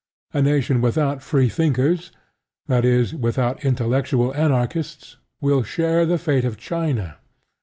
A nation without Freethinkers that is, without intellectual Anarchists will share the fate of China.